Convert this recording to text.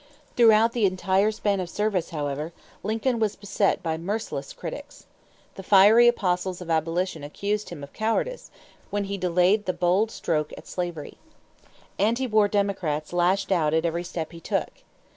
Throughout the entire span of service, however, Lincoln was beset by merciless critics. The fiery apostles of abolition accused him of cowardice when he delayed the bold stroke at slavery. Anti war Democrats lashed out at every step he took.